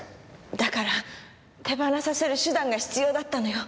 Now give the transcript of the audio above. だから手放させる手段が必要だったのよ。